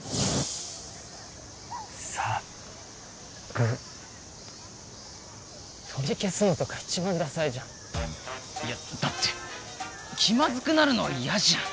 さっぶ取り消すのとか一番ダサいじゃんいやだって気まずくなるの嫌じゃん